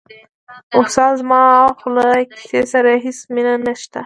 استاده زما خو له کیسې سره هېڅ مینه نشته.